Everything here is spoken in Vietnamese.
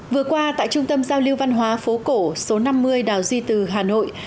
vừa qua tại trung tâm giao lưu văn hóa phố cổ số năm mươi đảo di từ hà nội